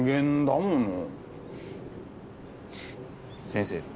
先生